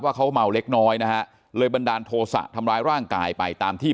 ว่าเขาเมาเล็กน้อยนะฮะเลยบันดาลโทษะทำร้ายร่างกายไปตามที่